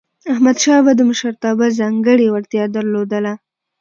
احمدشاه بابا د مشرتابه ځانګړی وړتیا درلودله.